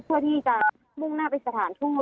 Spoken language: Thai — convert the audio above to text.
เพื่อที่จะมุ่งหน้าไปสถานทูต